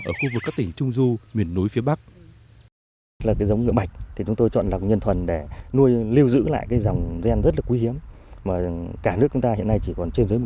ở khu vực các tỉnh trung du miền núi phía bắc